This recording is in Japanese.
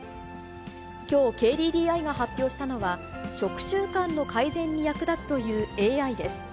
きょう、ＫＤＤＩが発表したのは、食習慣の改善に役立つというＡＩです。